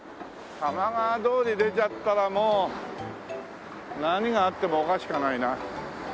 玉川通り出ちゃったらもう何があってもおかしくはないな。